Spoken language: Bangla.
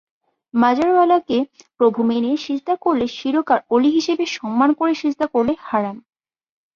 মাজার ওয়ালা কে প্রভু মেনে সিজদা করলে শিরক আর অলি হিসেবে সম্মান করে সিজদা করলে হারাম।